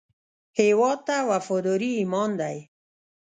هیواد ته وفاداري ایمان دی